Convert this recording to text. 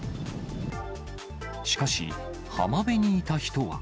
しかし、浜辺にいた人は。